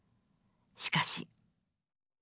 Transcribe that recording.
しかし。